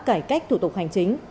cải cách thủ tục hành chính